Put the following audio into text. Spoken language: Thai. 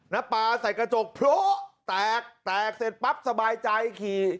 ปลาใส่กระจกโพะแตกแตกเสร็จปั๊บสบายใจขี่